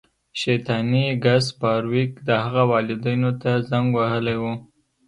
شیطاني ګس فارویک د هغه والدینو ته زنګ وهلی و